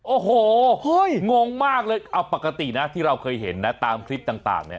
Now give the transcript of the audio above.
โอ้โหงงมากเลยเอาปกตินะที่เราเคยเห็นนะตามคลิปต่างเนี่ย